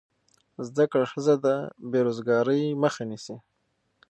زده کړه ښځه د بېروزګارۍ مخه نیسي.